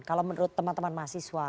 kalau menurut teman teman mahasiswa